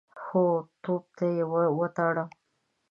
هو، توپ ته يې وتاړه.